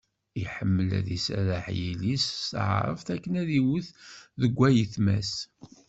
Iḥemmel ad iserreḥ i yiles-is s taɛrabt akken ad d-iwet deg ayetma-s.